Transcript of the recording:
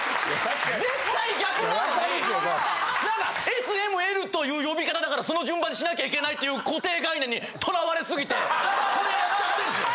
絶対逆なのにＳ・Ｍ・Ｌという呼び方だからその順番にしなきゃいけないっていう固定概念に囚われすぎてこれやっちゃってんすよ。